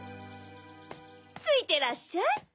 ついてらっしゃい。